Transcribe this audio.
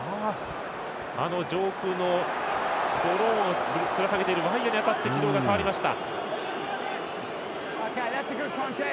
上空のドローンをつり下げているワイヤーに当たって軌道が変わりました。